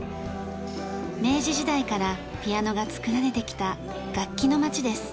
明治時代からピアノが作られてきた楽器の街です。